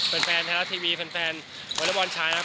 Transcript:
แฟนแฮลลาสทีวีแฟนวลัยบอลชายนะครับ